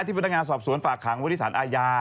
ที่บรรยายงานสอบสวนฝากขังวริสารอายา